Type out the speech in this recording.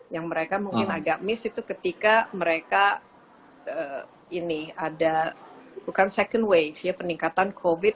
yang mereka mungkin agak miss itu ketika mereka ini ada bukan second wave ya peningkatan covid